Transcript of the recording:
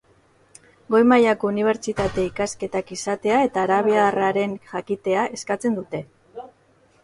Goi mailako unibertsitate ikasketak izatea eta arabiarraren jakitea eskatzen dute.